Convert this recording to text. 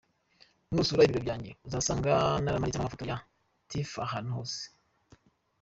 Nusura ibiro byanjye uzasanga naramanitsemo amafoto ya Tiffah ahantu hose.